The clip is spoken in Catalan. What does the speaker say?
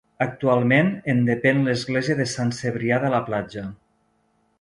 Actualment en depèn l'església de Sant Cebrià de la Platja.